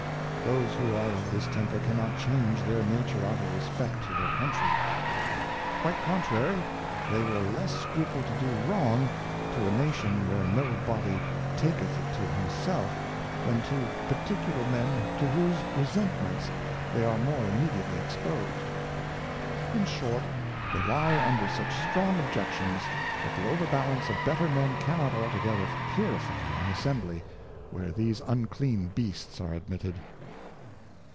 Those who are of this Temper cannot change their Nature out of respect to their Countrey. Quite contrary, they will less scruple to do Wrong to a Nation where no Body taketh it to himself, than to par ticular 154 Cautions for Choice of ticular Men to whose Resentments they are more immediately exposed. In short they lie under such strong Objections, that the over balance of better Men cannot altogether purify an Assembly where these unclean Beasts are admitted.